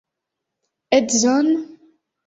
Edzon?